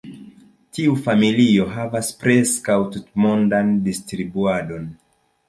Tiu familio havas preskaŭ tutmondan distribuadon.